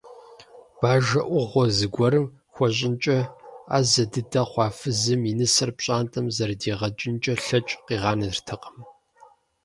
Бажэ Ӏугъуэ зыгуэрым хуэщӀынкӀэ Ӏэзэ дыдэ хъуа фызым и нысэр пщӀантӀэм зэрыдигъэкӀынкӀэ лъэкӀ къигъанэртэкъым.